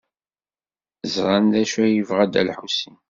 Ẓran d acu ay yebɣa Dda Lḥusin.